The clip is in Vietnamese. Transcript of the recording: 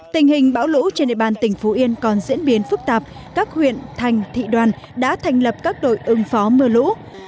tình hình bão lũ trên địa bàn tỉnh phú yên còn diễn biến phức tạp các huyện thành thị đoàn đã thành lập các đội ứng phó mưa lũ